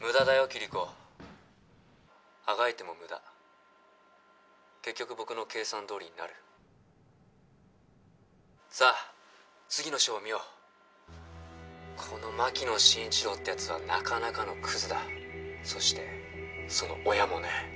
キリコあがいても無駄結局僕の計算どおりになるさあ次のショーを見ようこの牧野真一郎ってやつはなかなかのクズだそしてその親もね